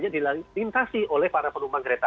dilintasi oleh para penumpang kereta